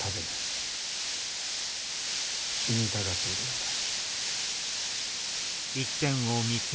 死にたがっているようだ。